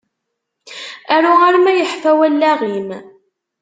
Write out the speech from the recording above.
Aru arma yeḥfa wallaɣ-am.